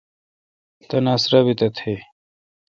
تناسہ رابط تھیں ۔